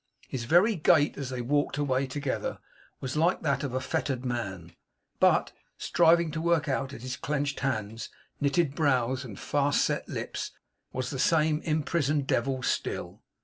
His very gait, as they walked away together, was like that of a fettered man; but, striving to work out at his clenched hands, knitted brows, and fast set lips, was the same imprisoned devil still.